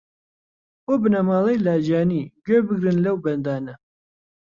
بۆ بنەماڵەی لاجانی گوێ بگرن لەو بەندانە